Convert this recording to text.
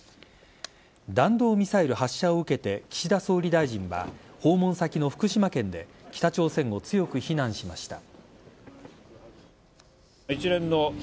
弾道ミサイル発射を受けて岸田総理大臣は訪問先の福島県で北朝鮮を強く非難しました。